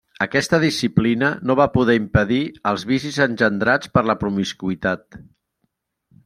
Aquesta disciplina no va poder impedir els vicis engendrats per la promiscuïtat.